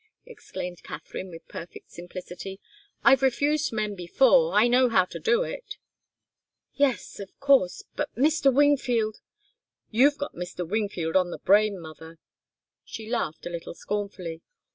exclaimed Katharine, with perfect simplicity, "I've refused men before. I know how to do it." "Yes of course but Mr. Wingfield " "You've got Mr. Wingfield on the brain, mother!" She laughed a little scornfully.